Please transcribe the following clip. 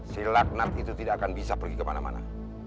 si lagnat itu tidak akan bisa pergi kemana mana